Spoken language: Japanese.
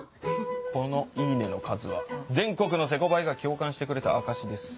このいいねの数は全国のセコヴァイが共感してくれた証しです。